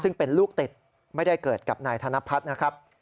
ซึ่งเป็นลูกติดไม่ได้เกิดกับนายธนพัฒน์นะครับ